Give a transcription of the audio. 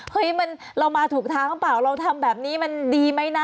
เรามาถูกทางหรือเปล่าเราทำแบบนี้มันดีไหมนะ